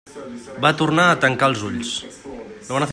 Va tornar a tancar els ulls.